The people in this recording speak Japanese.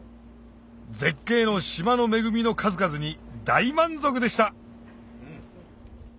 絶景の島の恵みの数々に大満足でした！